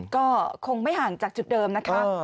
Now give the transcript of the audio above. ก็คงไม่ห่างจากจุดเดิมนะคะ